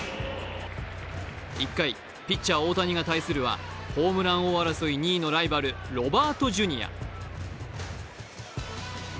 １回、ピッチャー・大谷が対するはホームラン王争い２位のライバル、ロバートＪｒ。